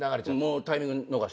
タイミング逃したし。